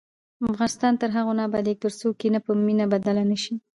افغانستان تر هغو نه ابادیږي، ترڅو کینه په مینه بدله نشي.